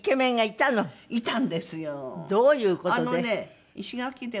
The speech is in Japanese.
どういう事で？